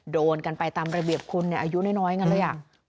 โดนกันไปตามระเบียบคุณอายุน้อยกันเลย